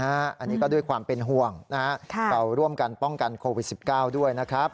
อันนี้ก็ด้วยความเป็นห่วงนะครับเราร่วมกันป้องกันโควิด๑๙ด้วยนะครับ